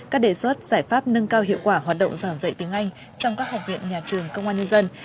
các đề xuất giải pháp nâng cao hiệu quả hoạt động giảng dạy tiếng anh trong các học viện nhà trường công an nhân dân